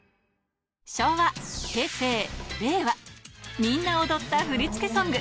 昭和、平成、令和、みんな踊った振り付けソング。